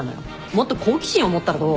もっと好奇心を持ったらどう？